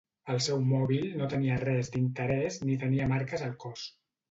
El seu mòbil no tenia res d'interès ni tenia marques al cos.